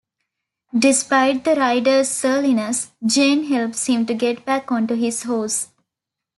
Despite the rider's surliness, Jane helps him to get back onto his horse.